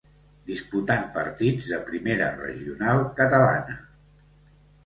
Disputant partits de Primera Regional Catalana.